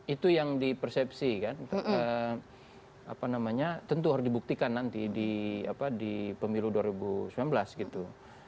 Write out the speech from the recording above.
itu yang dipersepsikan tentu harus dibuktikan nanti di pemilu dua ribu sembilan belas gitu